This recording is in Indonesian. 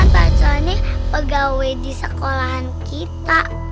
pak sony pegawai di sekolahan kita